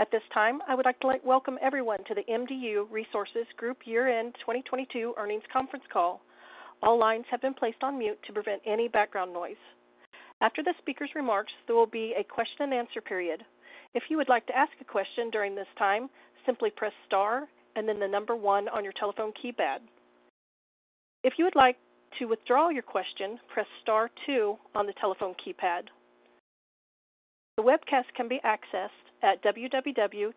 At this time, I would like to welcome everyone to the MDU Resources Group year-end 2022 earnings conference call. All lines have been placed on mute to prevent any background noise. After the speaker's remarks, there will be a question and answer period. If you would like to ask a question during this time, simply press star and then one on your telephone keypad. If you would like to withdraw your question, press star two on the telephone keypad. The webcast can be accessed at www.mdu.com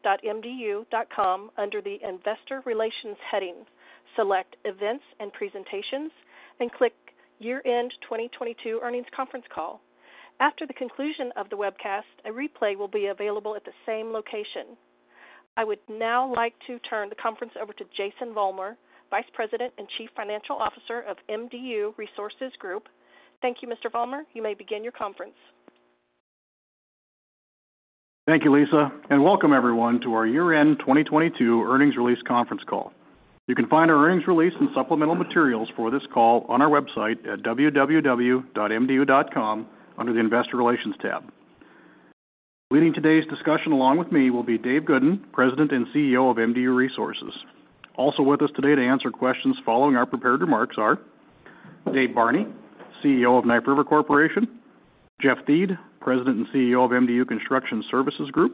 under the investor relations heading. Select Events and Presentations and click Year End 2022 Earnings Conference Call. After the conclusion of the webcast, a replay will be available at the same location. I would now like to turn the conference over to Jason Vollmer, Vice President and Chief Financial Officer of MDU Resources Group. Thank you, Mr. Vollmer. You may begin your conference. Thank you, Lisa. Welcome everyone to our year-end 2022 earnings release conference call. You can find our earnings release and supplemental materials for this call on our website at www.mdu.com under the Investor Relations tab. Leading today's discussion along with me will be Dave Goodin, President and CEO of MDU Resources. Also with us today to answer questions following our prepared remarks are Dave Barney, CEO of Knife River Corporation, Jeff Thiede, President and CEO of MDU Construction Services Group,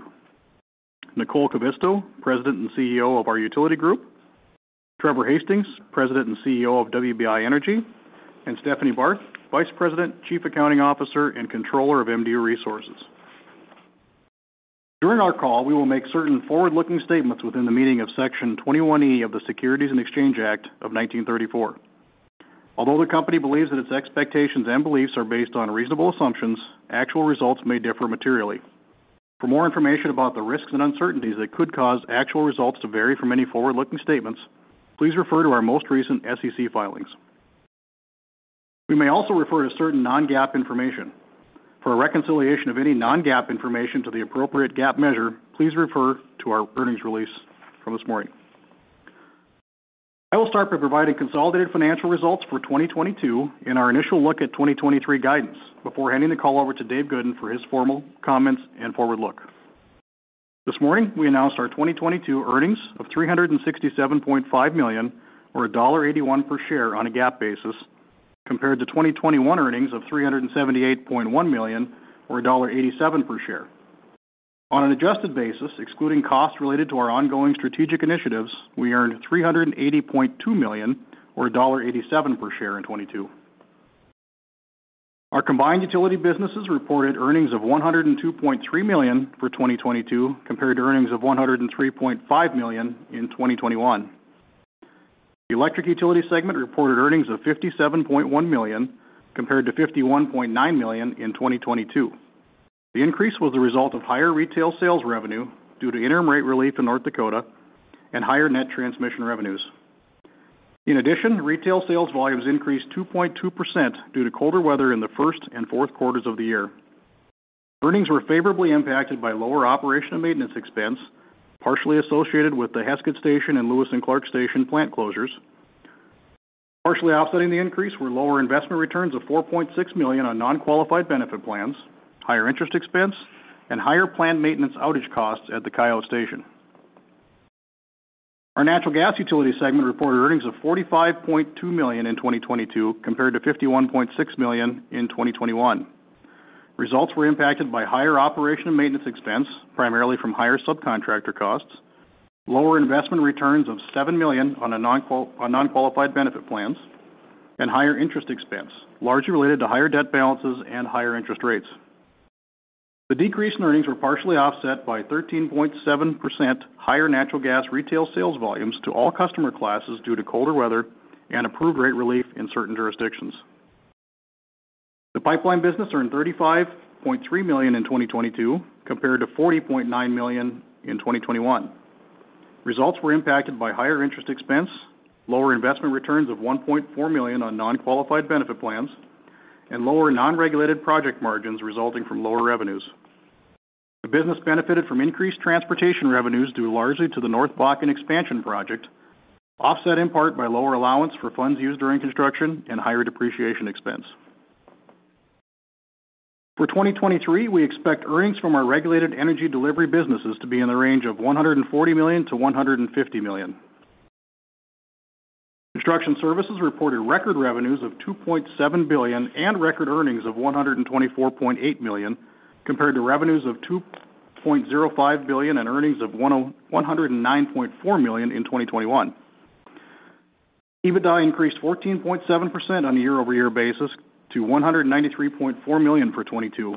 Nicole Kivisto, President and CEO of our utility group, Trevor Hastings, President and CEO of WBI Energy, and Stephanie Barth, Vice President, Chief Accounting Officer, and Controller of MDU Resources. During our call, we will make certain forward-looking statements within the meaning of Section 21E of the Securities Exchange Act of 1934. Although the company believes that its expectations and beliefs are based on reasonable assumptions, actual results may differ materially. For more information about the risks and uncertainties that could cause actual results to vary from any forward-looking statements, please refer to our most recent SEC filings. We may also refer to certain non-GAAP information. For a reconciliation of any non-GAAP information to the appropriate GAAP measure, please refer to our earnings release from this morning. I will start by providing consolidated financial results for 2022 and our initial look at 2023 guidance before handing the call over to Dave Goodin for his formal comments and forward look. This morning, we announced our 2022 earnings of $367.5 million or $1.81 per share on a GAAP basis compared to 2021 earnings of $378.1 million or $1.87 per share. On an adjusted basis, excluding costs related to our ongoing strategic initiatives, we earned $380.2 million or $1.87 per share in 2022. Our combined utility businesses reported earnings of $102.3 million for 2022 compared to earnings of $103.5 million in 2021. The electric utility segment reported earnings of $57.1 million compared to $51.9 million in 2022. The increase was a result of higher retail sales revenue due to interim rate relief in North Dakota and higher net transmission revenues. In addition, retail sales volumes increased 2.2% due to colder weather in the Q1 and Q4 of the year. Earnings were favorably impacted by lower O&M expense, partially associated with the Heskett Station and Lewis and Clark Station plant closures. Partially offsetting the increase were lower investment returns of $4.6 million on non-qualified benefit plans, higher interest expense and higher planned maintenance outage costs at the Coyote Station. Our natural gas utility segment reported earnings of $45.2 million in 2022 compared to $51.6 million in 2021. Results were impacted by higher O&M expense, primarily from higher subcontractor costs, lower investment returns of $7 million on non-qualified benefit plans, and higher interest expense, largely related to higher debt balances and higher interest rates. The decrease in earnings were partially offset by a 13.7% higher natural gas retail sales volumes to all customer classes due to colder weather and approved rate relief in certain jurisdictions. The pipeline business earned $35.3 million in 2022 compared to $40.9 million in 2021. Results were impacted by higher interest expense, lower investment returns of $1.4 million on non-qualified benefit plans, and lower non-regulated project margins resulting from lower revenues. The business benefited from increased transportation revenues due largely to the North Bakken Expansion project, offset in part by lower allowance for funds used during construction and higher depreciation expense. For 2023, we expect earnings from our regulated energy delivery businesses to be in the range of $140 million-$150 million. Construction Services reported record revenues of $2.7 billion and record earnings of $124.8 million compared to revenues of $2.05 billion and earnings of $109.4 million in 2021. EBITDA increased 14.7% on a year-over-year basis to $193.4 million for 2022.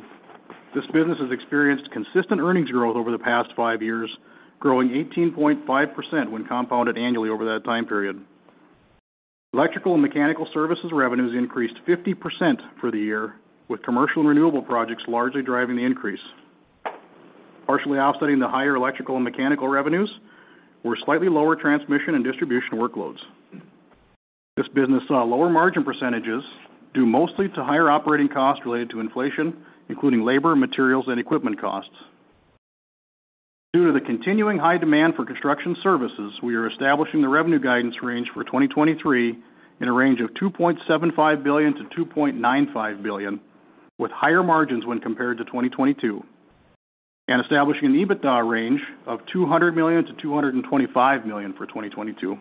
This business has experienced consistent earnings growth over the past five years, growing 18.5% when compounded annually over that time period. Electrical and mechanical services revenues increased 50% for the year, with commercial and renewable projects largely driving the increase. Partially offsetting the higher electrical and mechanical revenues were slightly lower transmission and distribution workloads. This business saw lower margin percentages due mostly to higher operating costs related to inflation, including labor, materials, and equipment costs. Due to the continuing high demand for construction services, we are establishing the revenue guidance range for 2023 in a range of $2.75 billion-$2.95 billion with higher margins when compared to 2022 and establishing an EBITDA range of $200 million-$225 million for 2022.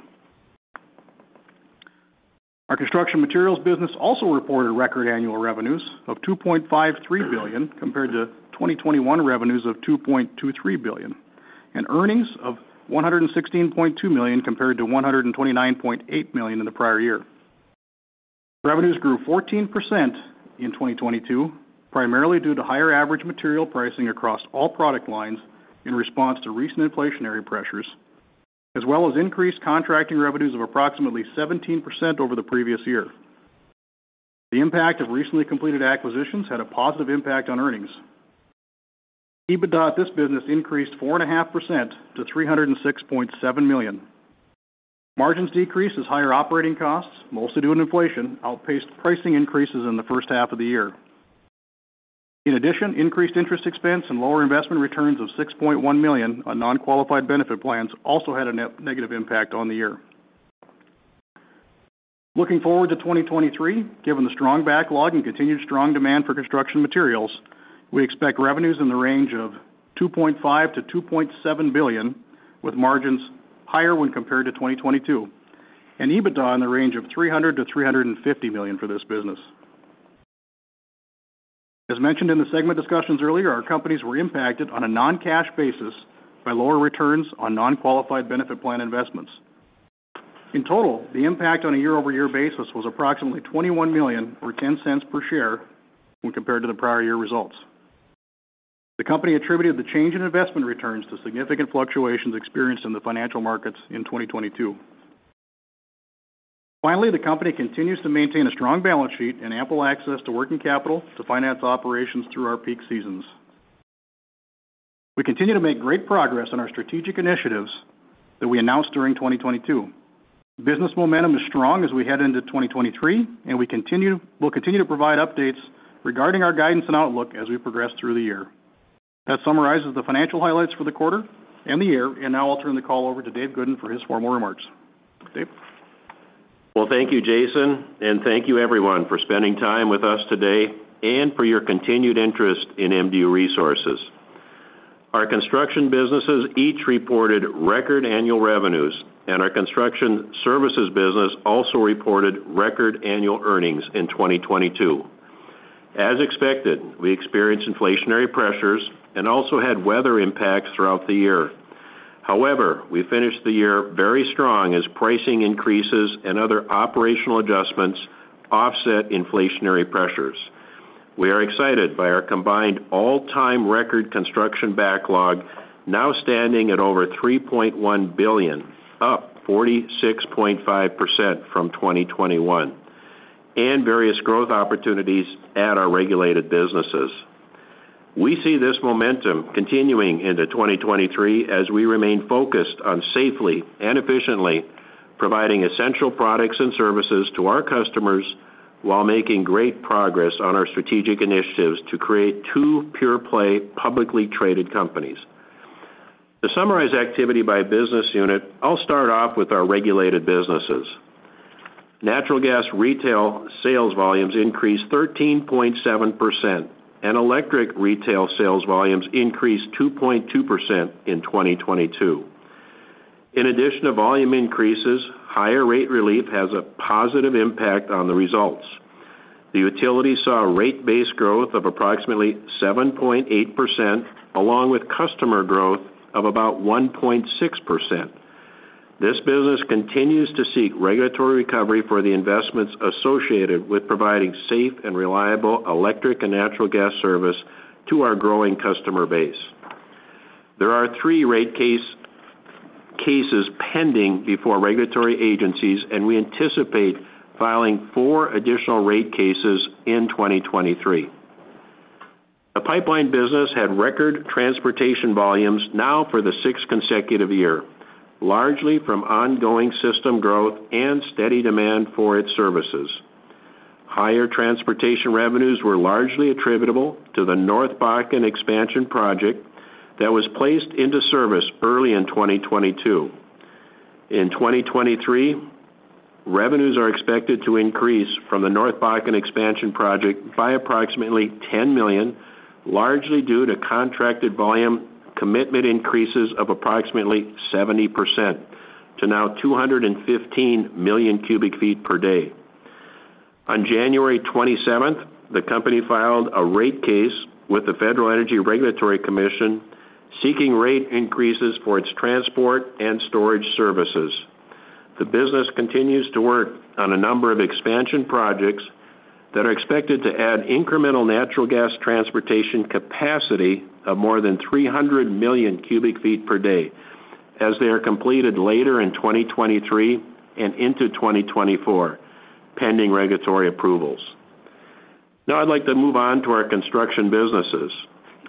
Our construction materials business also reported record annual revenues of $2.53 billion compared to 2021 revenues of $2.23 billion, and earnings of $116.2 million compared to $129.8 million in the prior year. Revenues grew 14% in 2022, primarily due to higher average material pricing across all product lines in response to recent inflationary pressures, as well as increased contracting revenues of approximately 17% over the previous year. The impact of recently completed acquisitions had a positive impact on earnings. EBITDA, this business increased 4.5% to $306.7 million. Margins decreased as higher operating costs, mostly due to inflation, outpaced pricing increases in the first half of the year. In addition, increased interest expense and lower investment returns of $6.1 million on non-qualified benefit plans also had a negative impact on the year. Looking forward to 2023, given the strong backlog and continued strong demand for construction materials, we expect revenues in the range of $2.5 billion-$2.7 billion, with margins higher when compared to 2022, and EBITDA in the range of $300 million-$350 million for this business. As mentioned in the segment discussions earlier, our companies were impacted on a non-cash basis by lower returns on non-qualified benefit plan investments. In total, the impact on a year-over-year basis was approximately $21 million or $0.10 per share when compared to the prior year results. The company attributed the change in investment returns to significant fluctuations experienced in the financial markets in 2022. Finally, the company continues to maintain a strong balance sheet and ample access to working capital to finance operations through our peak seasons. We continue to make great progress on our strategic initiatives that we announced during 2022. Business momentum is strong as we head into 2023, and we'll continue to provide updates regarding our guidance and outlook as we progress through the year. That summarizes the financial highlights for the quarter and the year, and now I'll turn the call over to Dave Goodin for his formal remarks. Dave? Thank you, Jason, and thank you everyone for spending time with us today and for your continued interest in MDU Resources. Our construction businesses each reported record annual revenues, and our construction services business also reported record annual earnings in 2022. As expected, we experienced inflationary pressures and also had weather impacts throughout the year. However, we finished the year very strong as pricing increases and other operational adjustments offset inflationary pressures. We are excited by our combined all-time record construction backlog now standing at over $3.1 billion, up 46.5% from 2021, and various growth opportunities at our regulated businesses. We see this momentum continuing into 2023 as we remain focused on safely and efficiently providing essential products and services to our customers while making great progress on our strategic initiatives to create two pure play publicly traded companies. To summarize activity by business unit, I'll start off with our regulated businesses. Natural gas retail sales volumes increased 13.7%. Electric retail sales volumes increased 2.2% in 2022. In addition to volume increases, higher rate relief has a positive impact on the results. The utility saw a rate base growth of approximately 7.8%, along with customer growth of about 1.6%. There are three rate cases pending before regulatory agencies. We anticipate filing four additional rate cases in 2023. The pipeline business had record transportation volumes now for the sixth consecutive year, largely from ongoing system growth and steady demand for its services. Higher transportation revenues were largely attributable to the North Bakken Expansion project that was placed into service early in 2022. In 2023, revenues are expected to increase from the North Bakken Expansion project by approximately $10 million, largely due to contracted volume commitment increases of approximately 70% to now 215 million cubic feet per day. On January 27th, the company filed a rate case with the Federal Energy Regulatory Commission seeking rate increases for its transport and storage services. The business continues to work on a number of expansion projects that are expected to add incremental natural gas transportation capacity of more than 300 million cubic feet per day as they are completed later in 2023 and into 2024, pending regulatory approvals. I'd like to move on to our construction businesses.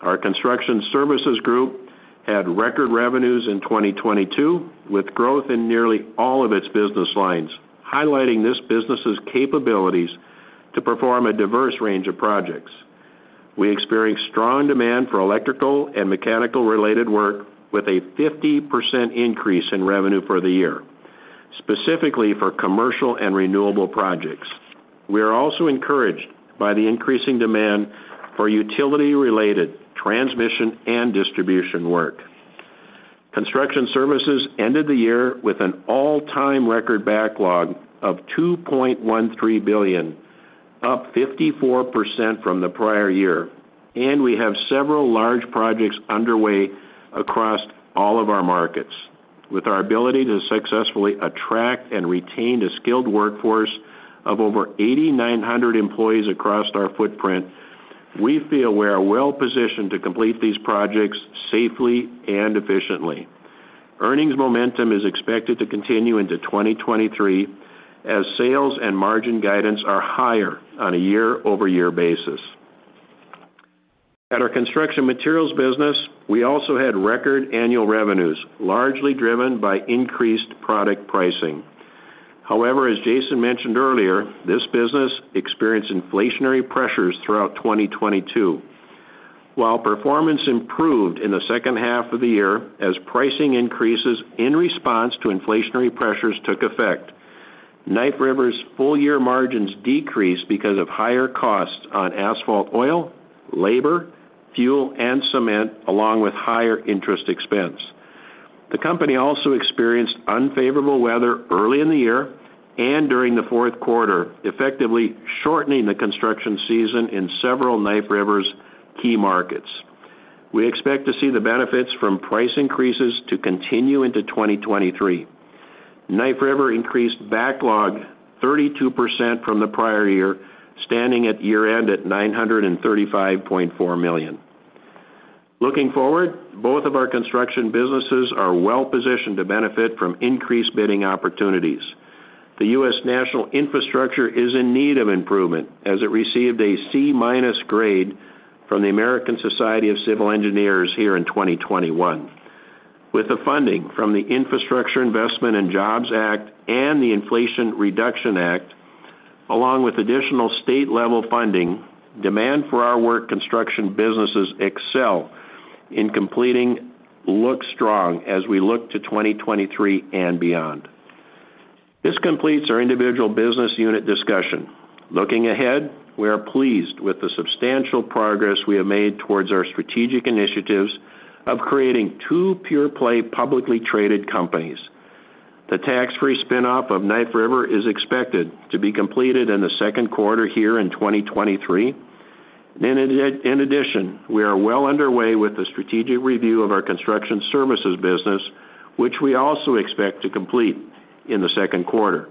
Our Construction Services Group had record revenues in 2022, with growth in nearly all of its business lines, highlighting this business's capabilities to perform a diverse range of projects. We experienced strong demand for electrical and mechanical-related work, with a 50% increase in revenue for the year. Specifically for commercial and renewable projects. We are also encouraged by the increasing demand for utility-related transmission and distribution work. Construction Services ended the year with an all-time record backlog of $2.13 billion, up 54% from the prior year, and we have several large projects underway across all of our markets. With our ability to successfully attract and retain a skilled workforce of over 8,900 employees across our footprint, we feel we are well positioned to complete these projects safely and efficiently. Earnings momentum is expected to continue into 2023 as sales and margin guidance are higher on a year-over-year basis. At our construction materials business, we also had record annual revenues, largely driven by increased product pricing. As Jason mentioned earlier, this business experienced inflationary pressures throughout 2022. While performance improved in the second half of the year as pricing increases in response to inflationary pressures took effect, Knife River's full-year margins decreased because of higher costs on asphalt oil, labor, fuel, and cement, along with higher interest expense. The company also experienced unfavorable weather early in the year and during the Q4, effectively shortening the construction season in several Knife River's key markets. We expect to see the benefits from price increases to continue into 2023. Knife River increased backlog 32% from the prior year, standing at year-end at $935.4 million. Looking forward, both of our construction businesses are well positioned to benefit from increased bidding opportunities. The U.S. national infrastructure is in need of improvement as it received a C-minus grade from the American Society of Civil Engineers here in 2021. With the funding from the Infrastructure Investment and Jobs Act and the Inflation Reduction Act, along with additional state-level funding, demand for our work construction businesses excel in completing look strong as we look to 2023 and beyond. This completes our individual business unit discussion. Looking ahead, we are pleased with the substantial progress we have made towards our strategic initiatives of creating two pure-play publicly traded companies. The tax-free spin-off of Knife River is expected to be completed in the Q2 here in 2023. In addition, we are well underway with the strategic review of our construction services business, which we also expect to complete in the Q2.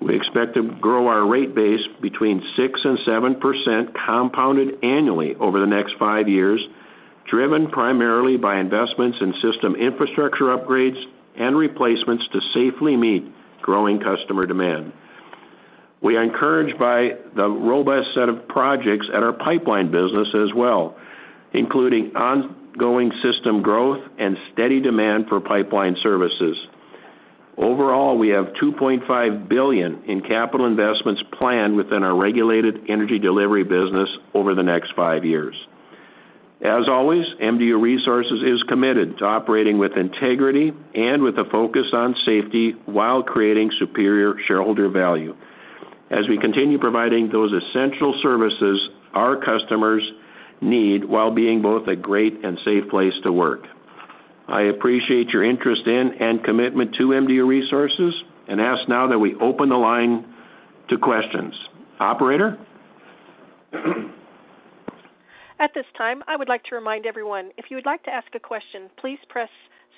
We expect to grow our rate base between 6% and 7% compounded annually over the next five years, driven primarily by investments in system infrastructure upgrades and replacements to safely meet growing customer demand. We are encouraged by the robust set of projects at our pipeline business as well, including ongoing system growth and steady demand for pipeline services. Overall, we have $2.5 billion in capital investments planned within our regulated energy delivery business over the next five years. As always, MDU Resources is committed to operating with integrity and with a focus on safety while creating superior shareholder value as we continue providing those essential services our customers need while being both a great and safe place to work. I appreciate your interest in and commitment to MDU Resources and ask now that we open the line to questions. Operator? At this time, I would like to remind everyone, if you would like to ask a question, please press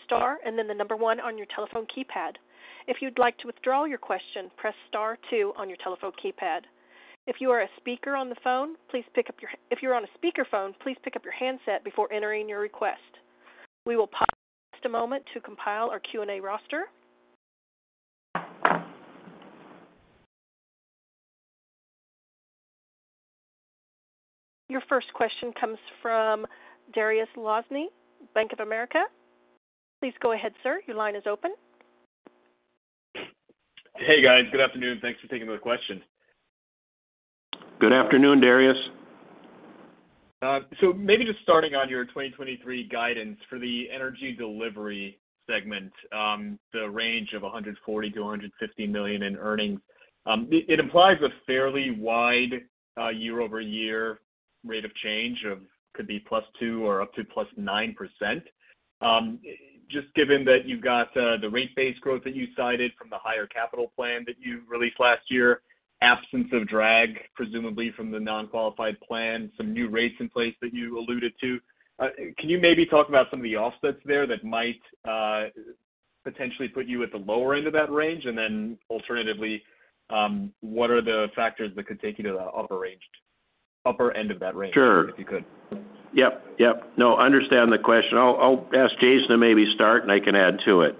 star and then one on your telephone keypad. If you'd like to withdraw your question, press star two on your telephone keypad. If you are a speaker on the phone, if you're on a speakerphone, please pick up your handset before entering your request. We will pause for just a moment to compile our Q&A roster. Your first question comes from Dariusz Lozny, Bank of America. Please go ahead, sir. Your line is open. Hey, guys. Good afternoon. Thanks for taking my question. Good afternoon, Dariusz. Maybe just starting on your 2023 guidance for the energy delivery segment, the range of $140 million-$150 million in earnings, it implies a fairly wide year-over-year rate of change of could be +2% or up to +9%. Just given that you've got the rate base growth that you cited from the higher capital plan that you released last year, absence of drag, presumably from the non-qualified plan, some new rates in place that you alluded to, can you maybe talk about some of the offsets there that might potentially put you at the lower end of that range? Alternatively, what are the factors that could take you to the upper end of that range? Sure. if you could? Yep. No, understand the question. I'll ask Jason to maybe start, and I can add to it.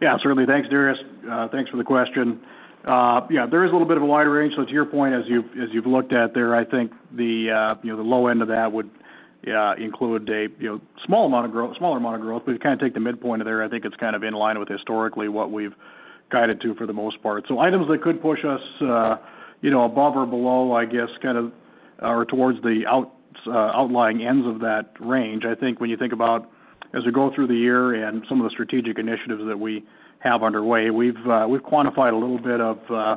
Yeah, certainly. Thanks, Darius. Thanks for the question. Yeah, there is a little bit of a wide range. To your point, as you've looked at there, I think the, you know, the low end of that would, yeah, include a, you know, smaller amount of growth. If you kind of take the midpoint of there, I think it's kind in line with historically what we've guided to for the most part. Items that could push us, you know, above or below, I guess, kind of. Towards the outlying ends of that range. I think when you think about as we go through the year and some of the strategic initiatives that we have underway, we've quantified a little bit of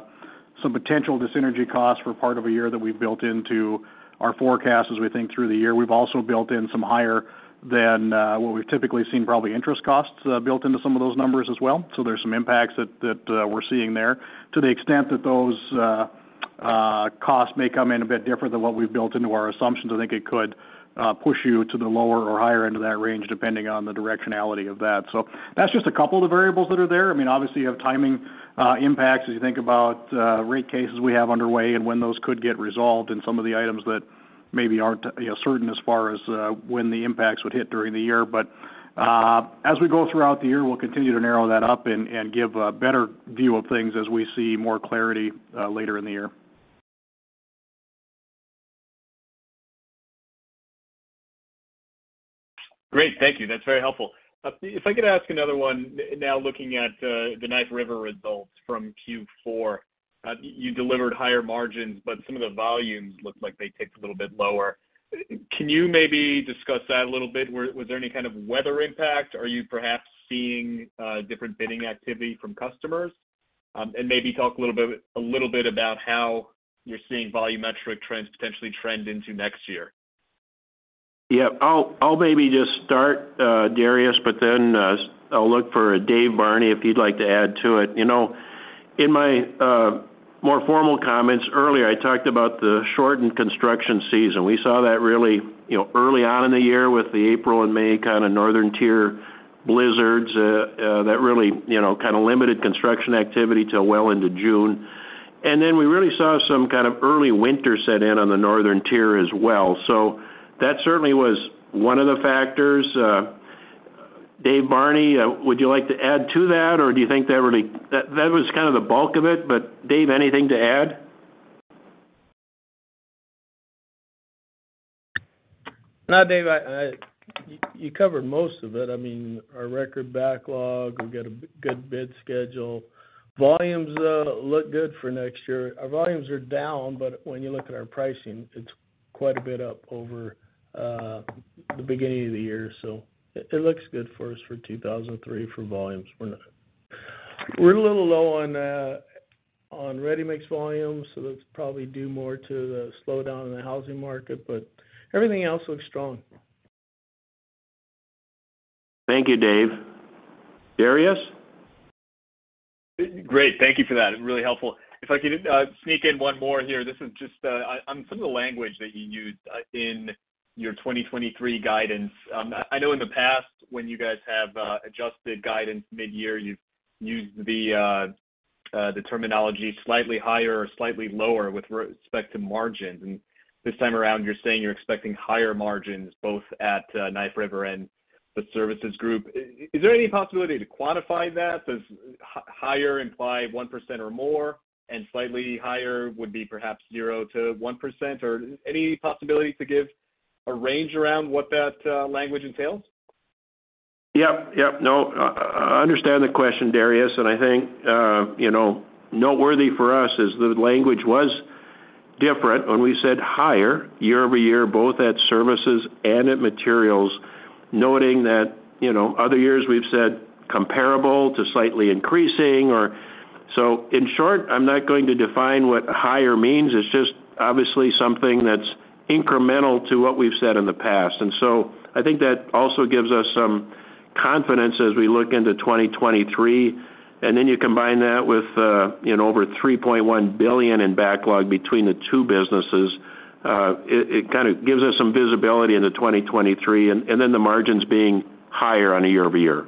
some potential dis-synergy costs for part of a year that we've built into our forecast as we think through the year. We've also built in some higher than what we've typically seen, probably interest costs, built into some of those numbers as well. There's some impacts that we're seeing there. To the extent that those costs may come in a bit different than what we've built into our assumptions, I think it could push you to the lower or higher end of that range, depending on the directionality of that. That's just a couple of the variables that are there. I mean, obviously, you have timing, impacts as you think about, rate cases we have underway and when those could get resolved and some of the items that maybe aren't, you know, certain as far as, when the impacts would hit during the year. As we go throughout the year, we'll continue to narrow that up and give a better view of things as we see more clarity, later in the year. Great. Thank you. That's very helpful. If I could ask another one. Now looking at, the Knife River results from Q4, you delivered higher margins, but some of the volumes look like they ticked a little bit lower. Can you maybe discuss that a little bit? Was there any kind of weather impact? Are you perhaps seeing, different bidding activity from customers? Maybe talk a little bit about how you're seeing volumetric trends potentially trend into next year. Yeah. I'll maybe just start, Dariusz, but then I'll look for Dave Barney, if he'd like to add to it. You know, in my more formal comments earlier, I talked about the shortened construction season. We saw that really, you know, early on in the year with the April and May kind of northern tier blizzards that really, you know, kind of limited construction activity till well into June. We really saw some kind of early winter set in on the northern tier as well. That certainly was one of the factors. Dave Barney, would you like to add to that, or do you think that really? That was kind of the bulk of it, but Dave, anything to add? Dave, you covered most of it. I mean, our record backlog, we've got a good bid schedule. Volumes look good for next year. Our volumes are down, when you look at our pricing, it's quite a bit up over the beginning of the year. It looks good for us for 2003 for volumes. We're a little low on ready-mix volumes, that's probably due more to the slowdown in the housing market, everything else looks strong. Thank you, Dave. Dariusz? Great. Thank you for that. Really helpful. If I could sneak in one more here. This is just on some of the language that you used in your 2023 guidance. I know in the past when you guys have adjusted guidance mid-year, you've used the terminology slightly higher or slightly lower with respect to margins. This time around, you're saying you're expecting higher margins both at Knife River and the services group. Is there any possibility to quantify that? Does higher imply 1% or more, and slightly higher would be perhaps 0%-1%? Or any possibility to give a range around what that language entails? Yep. Yep. No, I understand the question, Darius, and I think, you know, noteworthy for us is the language was different when we said higher year-over-year, both at services and at materials, noting that, you know, other years we've said comparable to slightly increasing or. In short, I'm not going to define what higher means. It's just obviously something that's incremental to what we've said in the past. I think that also gives us some confidence as we look into 2023. You combine that with over $3.1 billion in backlog between the two businesses, it kind of gives us some visibility into 2023 and then the margins being higher on a year-over-year.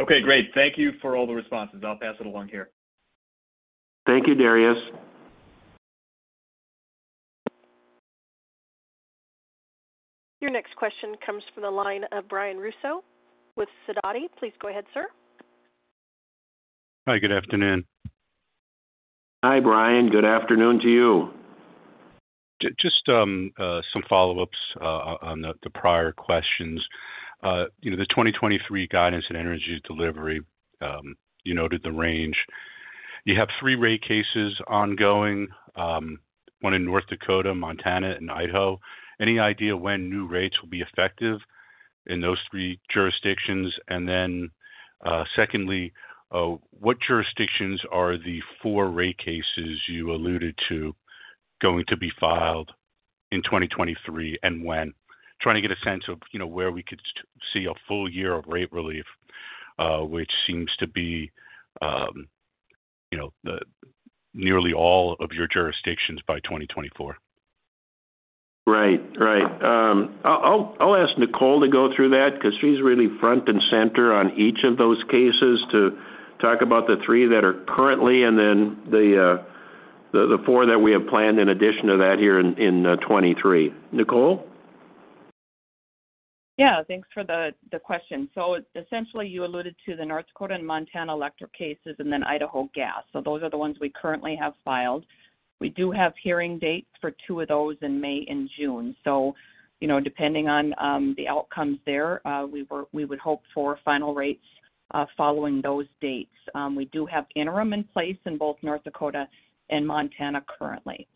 Okay, great. Thank you for all the responses. I'll pass it along here. Thank you, Dariusz. Your next question comes from the line of Brian Russo with Sidoti. Please go ahead, sir. Hi, good afternoon. Hi, Brian. Good afternoon to you. Just, you know, the 2023 guidance and energy delivery, you noted the range. You have three rate cases ongoing, one in North Dakota, Montana, and Idaho. Any idea when new rates will be effective in those three jurisdictions? Then, secondly, what jurisdictions are the four rate cases you alluded to going to be filed in 2023 and when? Trying to get a sense of, you know, where we could see a full year of rate relief, which seems to be, you know, nearly all of your jurisdictions by 2024. Right. Right. I'll ask Nicole to go through that because she's really front and center on each of those cases to talk about the three that are currently and then the four that we have planned in addition to that here in 2023. Nicole? Yeah, thanks for the question. Essentially, you alluded to the North Dakota and Montana electric cases and then Idaho gas. Those are the ones we currently have filed. We do have hearing dates for two of those in May and June. You know, depending on the outcomes there, we would hope for final rates following those dates. We do have interim in place in both North Dakota and Montana currently.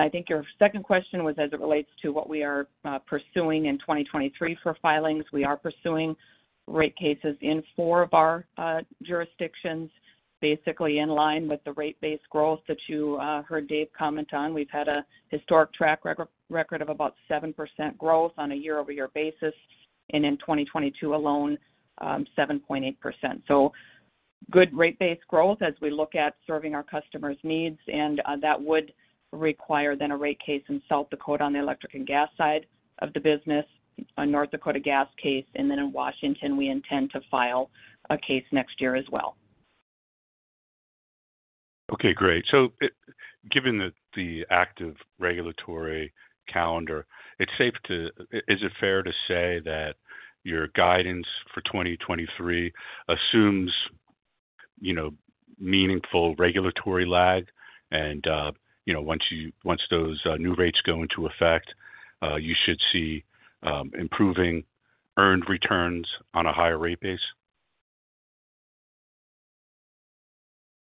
I think your second question was as it relates to what we are pursuing in 2023 for filings. We are pursuing rate in four of our jurisdictions, basically in line with the rate base growth that you heard Dave comment on. We've had a historic track record of about 7% growth on a year-over-year basis, and in 2022 alone, 7.8%. Good rate base growth as we look at serving our customers' needs, and that would require then a rate case in South Dakota on the electric and gas side of the business, a North Dakota gas case, and then in Washington, we intend to file a case next year as well. Okay, great. Given the active regulatory calendar, is it fair to say that your guidance for 2023 assumes, you know, meaningful regulatory lag and, you know, once those new rates go into effect, you should see improving earned returns on a higher rate base?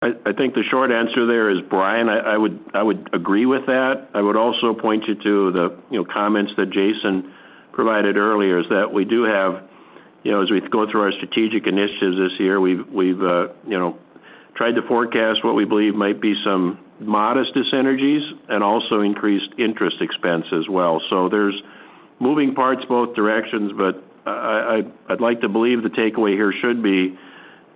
I think the short answer there is, Brian, I would agree with that. I would also point you to the, you know, comments that Jason provided earlier is that we do have, you know, as we go through our strategic initiatives this year, we've, you know, tried to forecast what we believe might be some modest dysenergies and also increased interest expense as well. There's moving parts both directions, I'd like to believe the takeaway here should be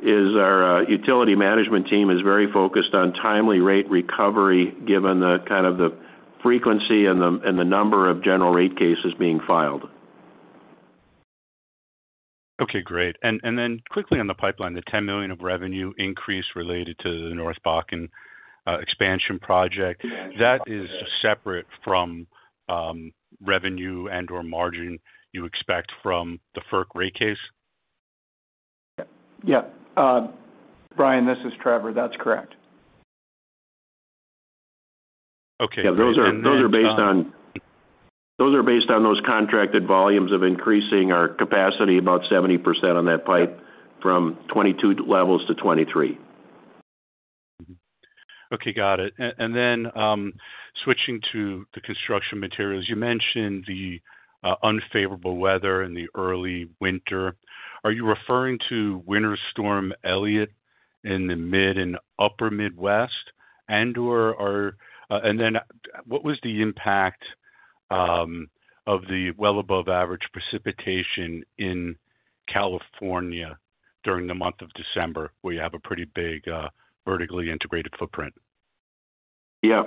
is our utility management team is very focused on timely rate recovery given the kind of the frequency and the number of general rate cases being filed. Okay, great. Then quickly on the pipeline, the $10 million of revenue increase related to the North Bakken Expansion. Expansion project. that is separate from, revenue and/or margin you expect from the FERC rate case? Yeah. Brian, this is Trevor. That's correct. Okay. Those are based on those contracted volumes of increasing our capacity about 70% on that pipe from 2022 levels to 2023. Okay, got it. Switching to the construction materials, you mentioned the unfavorable weather in the early winter. Are you referring to Winter Storm Elliott in the mid and upper Midwest? What was the impact of the well above average precipitation in California during the month of December, where you have a pretty big, vertically integrated footprint? Yeah.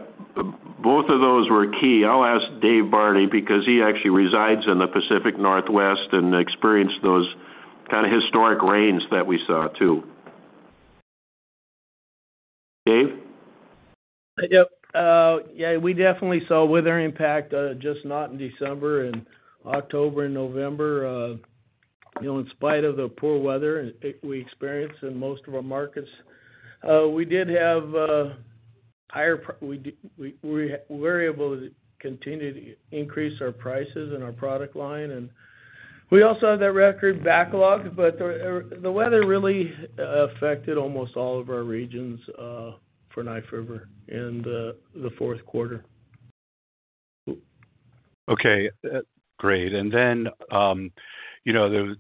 Both of those were key. I'll ask Dave Barney because he actually resides in the Pacific Northwest and experienced those kind of historic rains that we saw too. Dave? Yep. Yeah, we definitely saw weather impact, just not in December, in October and November. You know, in spite of the poor weather we experienced in most of our markets, we were able to continue to increase our prices in our product line. We also have that record backlog, but the weather really affected almost all of our regions for Knife River in the Q4. Okay, great. You know, the,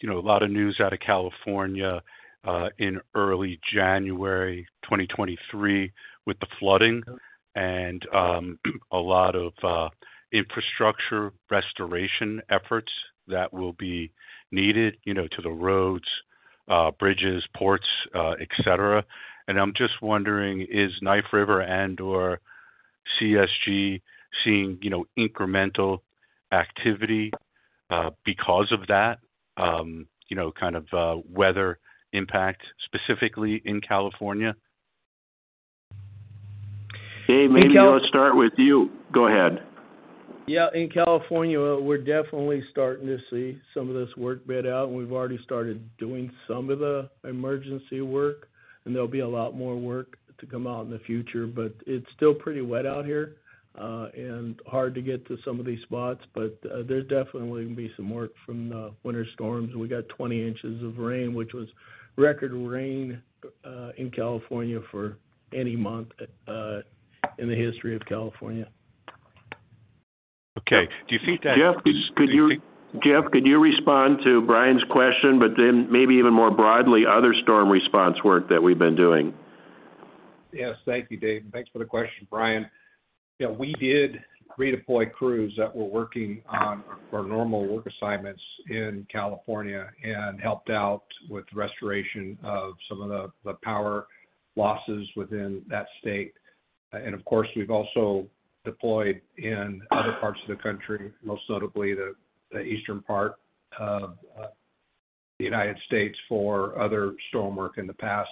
you know, a lot of news out of California in early January 2023 with the flooding and a lot of infrastructure restoration efforts that will be needed, you know, to the roads, bridges, ports, etc. I'm just wondering, is Knife River and/or CSG seeing, you know, incremental activity because of that, you know, kind of weather impact specifically in California? Dave, maybe let's start with you. Go ahead. Yeah. In California, we're definitely starting to see some of this work bid out, and we've already started doing some of the emergency work, and there'll be a lot more work to come out in the future. It's still pretty wet out here, and hard to get to some of these spots. There's definitely gonna be some work from the winter storms. We got 20 in of rain, which was record rain, in California for any month, in the history of California. Okay. Do you see that? Jeff, could you respond to Brian's question, but then maybe even more broadly, other storm response work that we've been doing? Yes. Thank you, Dave. Thanks for the question, Brian. Yeah, we did redeploy crews that were working on our normal work assignments in California and helped out with restoration of some of the power losses within that state. Of course, we've also deployed in other parts of the country, most notably the eastern part of the United States for other storm work in the past.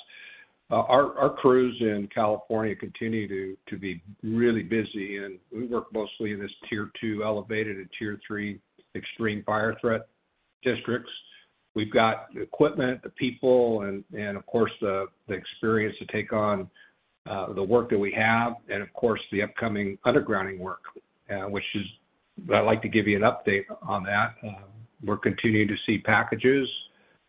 Our crews in California continue to be really busy, and we work mostly in this Tier 2 elevated and Tier 3 extreme fire threat districts. We've got the equipment, the people, and of course, the experience to take on the work that we have and of course, the upcoming undergrounding work, which is I'd like to give you an update on that. We're continuing to see packages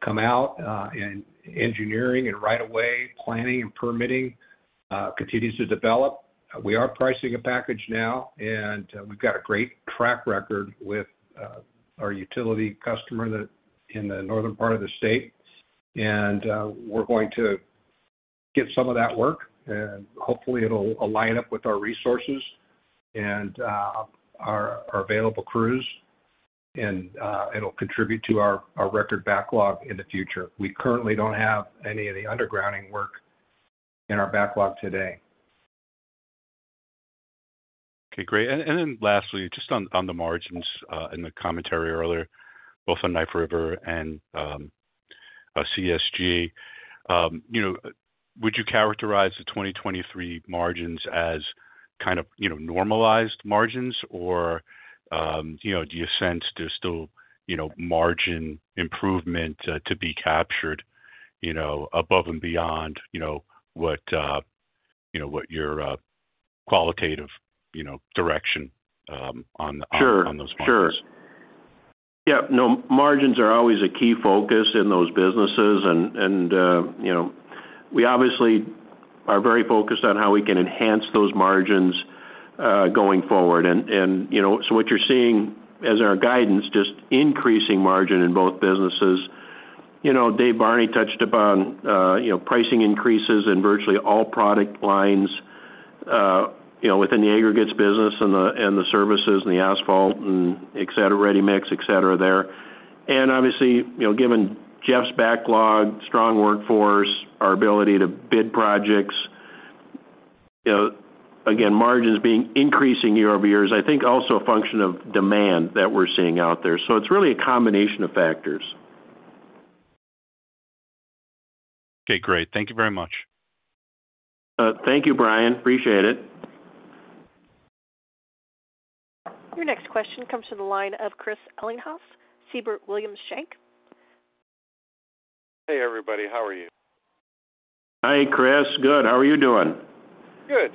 come out in engineering and right away planning and permitting continues to develop. We are pricing a package now, and we've got a great track record with our utility customer that in the northern part of the state. We're going to get some of that work, and hopefully it'll align up with our resources and our available crews, and it'll contribute to our record backlog in the future. We currently don't have any of the underground work in our backlog today. Okay, great. Then lastly, just on the margins, in the commentary earlier, both on Knife River and CSG. You know, would you characterize the 2023 margins as kind of, you know, normalized margins? Or, you know, do you sense there's still, you know, margin improvement to be captured, you know, above and beyond, you know, what, you know, what your qualitative, you know, direction on those margins? Sure, sure. Yeah. No, margins are always a key focus in those businesses and, you know, we obviously are very focused on how we can enhance those margins going forward. You know, so what you're seeing as our guidance, just increasing margin in both businesses. You know, Dave Barney touched upon, you know, pricing increases in virtually all product lines, you know, within the aggregates business and the, and the services and the asphalt and et cetera, ready-mix, et cetera there. Obviously, you know, given Jeff's backlog, strong workforce, our ability to bid projects, you know, again, margins being increasing year-over-year is I think also a function of demand that we're seeing out there. It's really a combination of factors. Okay, great. Thank you very much. thank you, Brian. Appreciate it. Your next question comes to the line of Chris Ellinghaus, Siebert Williams Shank. Hey, everybody. How are you? Hi, Chris. Good. How are you doing? Good.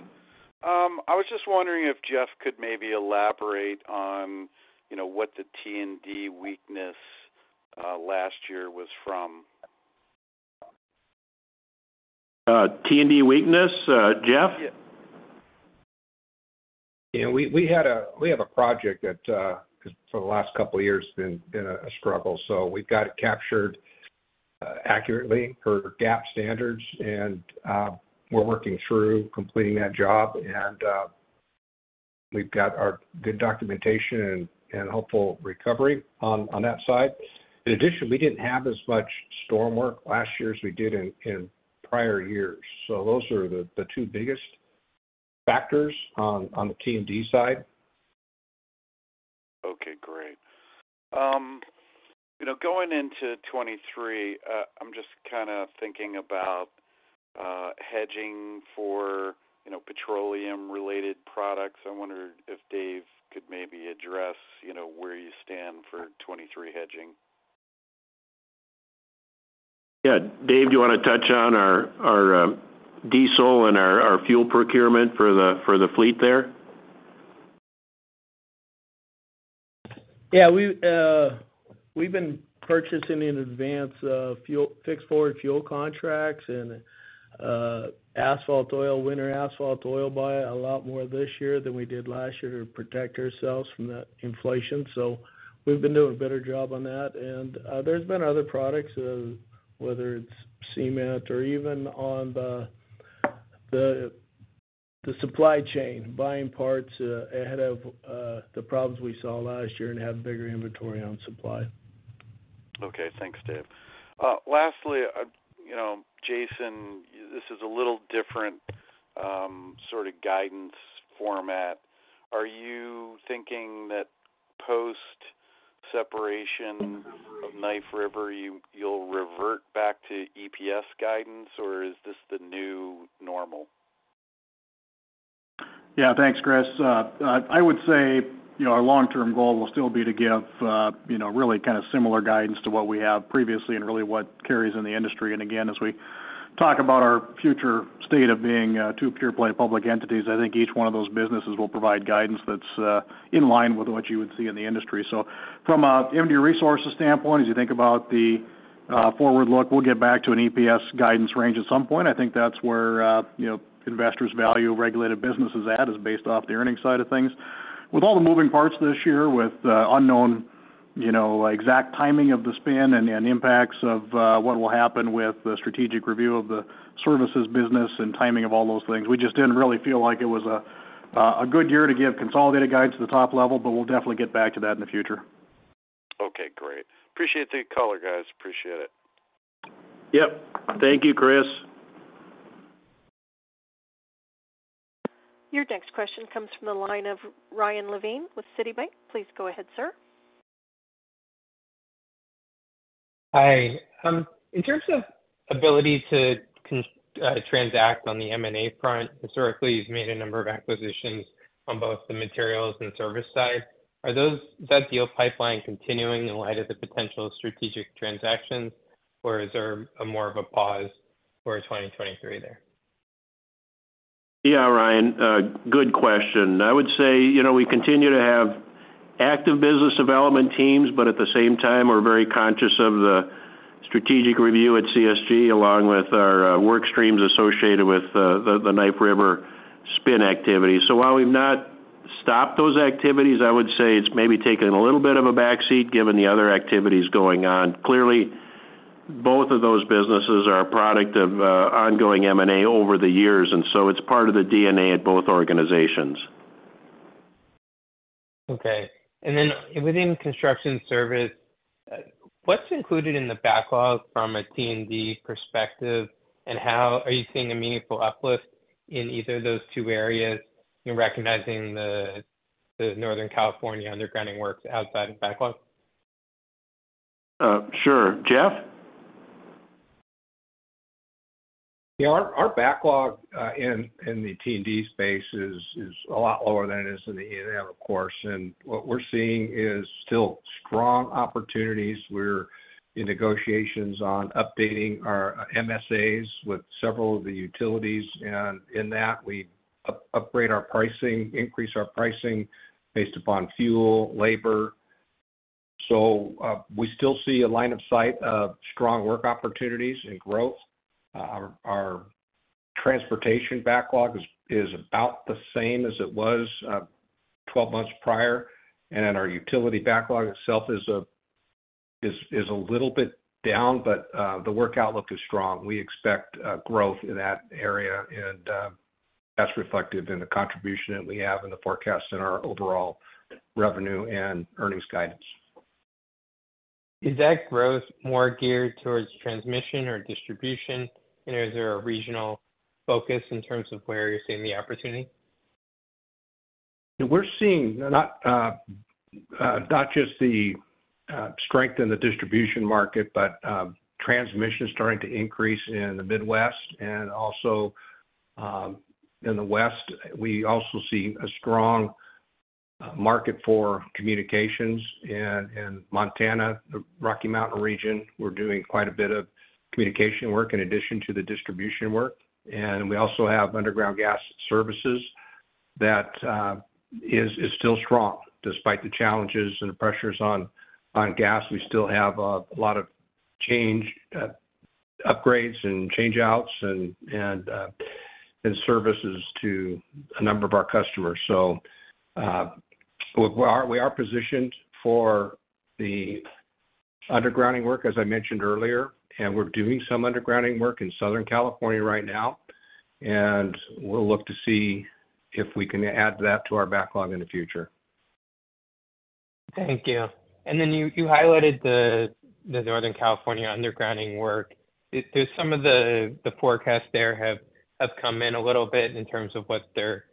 I was just wondering if Jeff could maybe elaborate on, you know, what the T&D weakness last year was from. T&D weakness, Jeff? Yeah. We had a project that for the last couple of years been a struggle. We've got it captured accurately for GAAP standards, and we're working through completing that job. We've got our good documentation and hopeful recovery on that side. In addition, we didn't have as much storm work last year as we did in prior years. Those are the two biggest factors on the T&D side. Okay, great. You know, going into 23, I'm just kinda thinking about hedging for, you know, petroleum-related products. I wonder if Dave could maybe address, you know, where you stand for 23 hedging. Yeah. Dave, do you wanna touch on our diesel and our fuel procurement for the fleet there? Yeah. We've been purchasing in advance fixed forward fuel contracts and asphalt oil, winter asphalt oil buy a lot more this year than we did last year to protect ourselves from the inflation. We've been doing a better job on that. There's been other products, whether it's cement or even on the supply chain, buying parts ahead of the problems we saw last year and have bigger inventory on supply. Okay. Thanks, Dave. Lastly, you know, Jason, this is a little different, sort of guidance format. Are you thinking that post-separation of Knife River, you'll revert back to EPS guidance, or is this the new normal? Yeah. Thanks, Chris. I would say, you know, our long-term goal will still be to give, you know, really kind of similar guidance to what we have previously and really what carries in the industry. As we talk about our future state of being, two pure play public entities, I think each one of those businesses will provide guidance that's in line with what you would see in the industry. From a MDU Resources standpoint, as you think about the forward look, we'll get back to an EPS guidance range at some point. I think that's where, you know, investors value regulated businesses at, is based off the earnings side of things. With all the moving parts this year with unknown, you know, exact timing of the spin and impacts of what will happen with the strategic review of the services business and timing of all those things. We just didn't really feel like it was a good year to give consolidated guidance to the top level, but we'll definitely get back to that in the future. Okay, great. Appreciate the color, guys. Appreciate it. Yep. Thank you, Chris. Your next question comes from the line of Ryan Levine with Citi. Please go ahead, sir. Hi. In terms of ability to transact on the M&A front, historically, you've made a number of acquisitions on both the materials and service side. Is that deal pipeline continuing in light of the potential strategic transactions, or is there more of a pause for 2023 there? Yeah, Ryan, good question. I would say, you know, we continue to have active business development teams, but at the same time, we're very conscious of the strategic review at CSG along with our work streams associated with the Knife River spin activity. While we've not stopped those activities, I would say it's maybe taken a little bit of a back seat given the other activities going on. Clearly, both of those businesses are a product of ongoing M&A over the years, it's part of the DNA at both organizations. Okay. Within construction service, what's included in the backlog from a T&D perspective, and how are you seeing a meaningful uplift in either of those two areas in recognizing the Northern California undergrounding works outside of backlog? Sure. Jeff? Yeah. Our backlog in the T&D space is a lot lower than it is in the E&M, of course. What we're seeing is still strong opportunities. We're in negotiations on updating our MSAs with several of the utilities. In that, we upgrade our pricing, increase our pricing based upon fuel, labor. We still see a line of sight of strong work opportunities and growth. Our transportation backlog is about the same as it was 12 months prior. Our utility backlog itself is a little bit down, but the work outlook is strong. We expect growth in that area, and that's reflected in the contribution that we have in the forecast in our overall revenue and earnings guidance. Is that growth more geared towards transmission or distribution? Is there a regional focus in terms of where you're seeing the opportunity? We're seeing not just the strength in the distribution market, but transmission starting to increase in the Midwest and also in the West. We also see a strong market for communications in Montana, the Rocky Mountain region. We're doing quite a bit of communication work in addition to the distribution work. We also have underground gas services that is still strong despite the challenges and the pressures on gas. We still have a lot of change, upgrades and change outs and services to a number of our customers. We are positioned for the undergrounding work, as I mentioned earlier, and we're doing some undergrounding work in Southern California right now, and we'll look to see if we can add that to our backlog in the future. Thank you. You highlighted the Northern California undergrounding work. Do some of the forecast there have come in a little bit in terms of what they're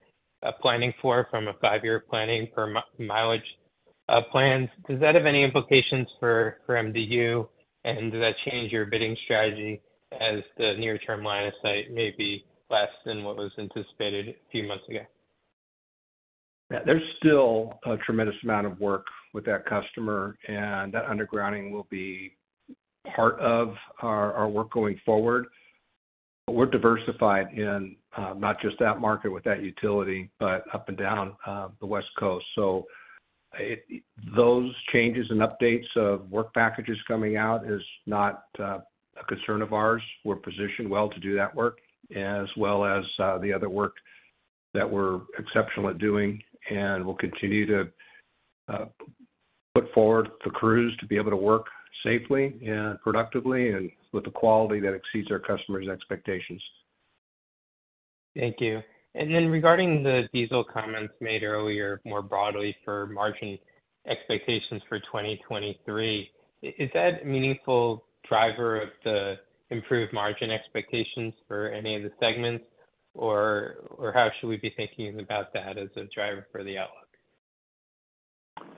planning for from a five-year planning for mileage plans? Does that have any implications for MDU? Does that change your bidding strategy as the near-term line of sight may be less than what was anticipated a few months ago? Yeah. There's still a tremendous amount of work with that customer, and that undergrounding will be part of our work going forward. We're diversified in not just that market with that utility, but up and down the West Coast. Those changes and updates of work packages coming out is not a concern of ours. We're positioned well to do that work as well as the other work that we're exceptional at doing, and we'll continue to put forward the crews to be able to work safely and productively and with the quality that exceeds our customers' expectations. Thank you. Then regarding the diesel comments made earlier, more broadly for margin expectations for 2023, is that a meaningful driver of the improved margin expectations for any of the segments? or how should we be thinking about that as a driver for the outlook?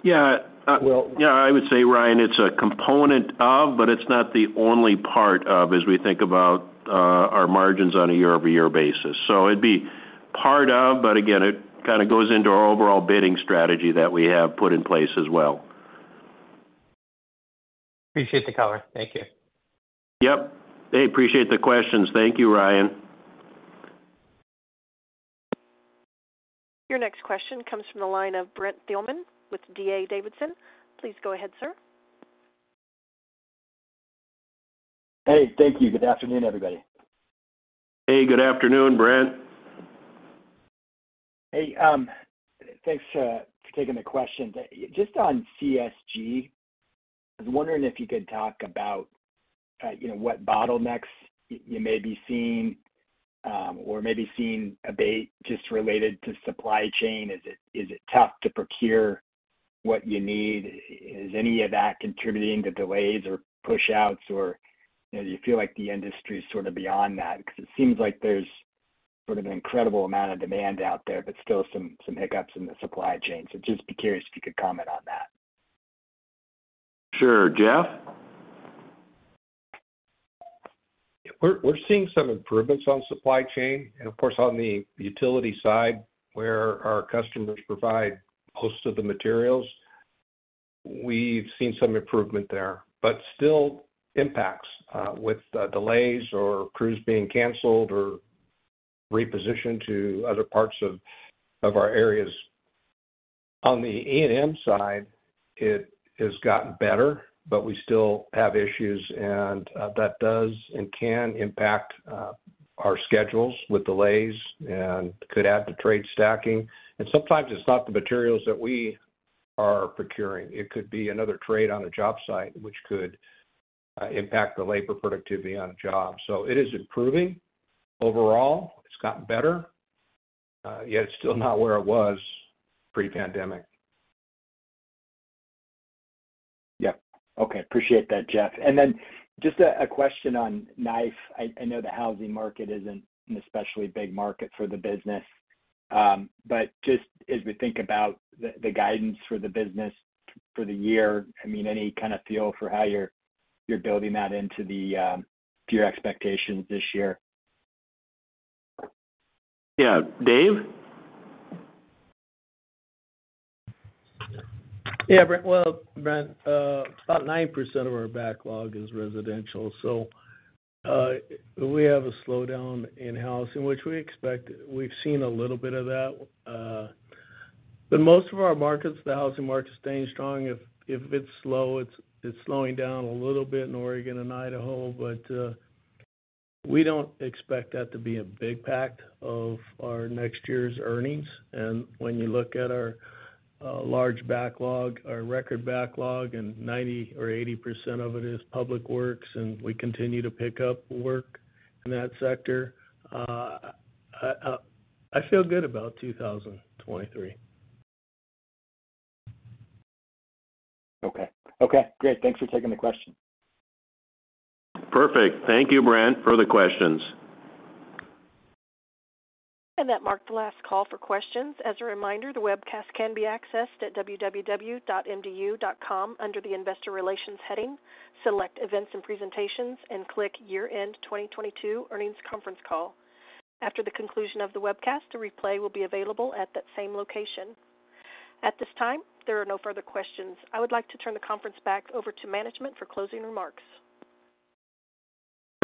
Yeah. Well, yeah, I would say, Ryan, it's a component of, but it's not the only part of as we think about, our margins on a year-over-year basis. It'd be part of, but again, it kind of goes into our overall bidding strategy that we have put in place as well. Appreciate the color. Thank you. Yep. Hey, appreciate the questions. Thank you, Ryan. Your next question comes from the line of Brent Thielman with D.A. Davidson. Please go ahead, sir. Hey. Thank you. Good afternoon, everybody. Hey, good afternoon, Brent. Hey, thanks for taking the question. Just on CSG, I was wondering if you could talk about, you know, what bottlenecks you may be seeing, or may be seeing abate just related to supply chain. Is it tough to procure what you need? Is any of that contributing to delays or pushouts or, you know, do you feel like the industry is sort of beyond that? Because it seems like there's sort of an incredible amount of demand out there, but still some hiccups in the supply chain. Just be curious if you could comment on that. Sure. Jeff? We're seeing some improvements on supply chain and of course on the utility side where our customers provide most of the materials. We've seen some improvement there, but still impacts with delays or crews being canceled or repositioned to other parts of our areas. On the O&M side, it has gotten better, but we still have issues, and that does and can impact our schedules with delays and could add to trade stacking. Sometimes it's not the materials that we are procuring. It could be another trade on a job site which could impact the labor productivity on a job. It is improving. Overall it's gotten better. Yet it's still not where it was pre-pandemic. Yeah. Okay. Appreciate that, Jeff. Just a question on Knife River. I know the housing market isn't an especially big market for the business. Just as we think about the guidance for the business for the year, I mean, any kind of feel for how you're building that into the to your expectations this year? Yeah. Dave? Well, Brent Thielman, about 90% of our backlog is residential. We have a slowdown in-house in which we expect. We've seen a little bit of that. Most of our markets, the housing market is staying strong. If it's slow, it's slowing down a little bit in Oregon and Idaho, but we don't expect that to be a big pact of our next year's earnings. When you look at our large backlog, our record backlog, and 90% or 80% of it is public works, and we continue to pick up work in that sector, I feel good about 2023. Okay. Okay, great. Thanks for taking the question. Perfect. Thank you, Brent, for the questions. That marked the last call for questions. As a reminder, the webcast can be accessed at www.mdu.com under the Investor Relations heading. Select Events and Presentations and click Year End 2022 Earnings Conference Call. After the conclusion of the webcast, a replay will be available at that same location. At this time, there are no further questions. I would like to turn the conference back over to management for closing remarks.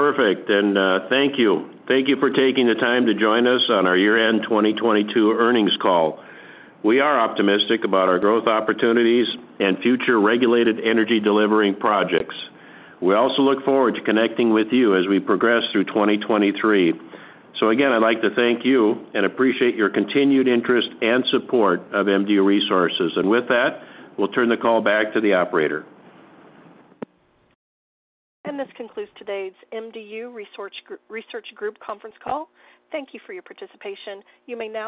Perfect. Thank you. Thank you for taking the time to join us on our year-end 2022 earnings call. We are optimistic about our growth opportunities and future regulated energy delivering projects. We also look forward to connecting with you as we progress through 2023. Again, I'd like to thank you and appreciate your continued interest and support of MDU Resources. With that, we'll turn the call back to the operator. This concludes today's MDU Resources Group conference call. Thank you for your participation. You may now disconnect.